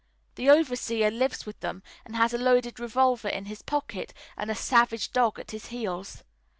The overseer lives with them, and has a loaded revolver in his pocket and a savage dog at his heels.